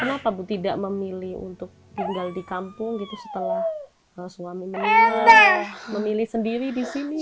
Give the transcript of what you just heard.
kenapa bu tidak memilih untuk tinggal di kampung gitu setelah suaminya memilih sendiri di sini